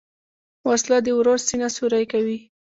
وسله د ورور سینه سوری کوي